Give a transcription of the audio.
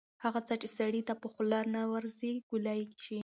هغه څه چې سړي ته په خوله نه ورځي کولی شي